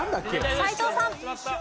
斎藤さん。